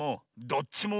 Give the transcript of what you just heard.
どっちも？